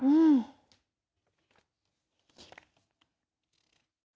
อืม